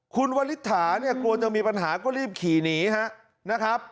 คุณวริถาเนี่ยกลัวจะมีปัญหาก็รีบขี่หนีนะครับ